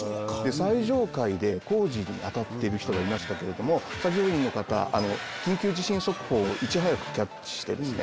最上階で工事に当たっている人がいましたけれども作業員の方緊急地震速報をいち早くキャッチしてですね